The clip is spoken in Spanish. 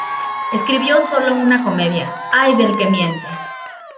Escribió sólo una comedia: "¡Ay del que miente!